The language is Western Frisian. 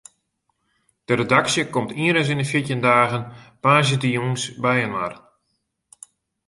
De redaksje komt ienris yn de fjirtjin dagen woansdeitejûns byinoar.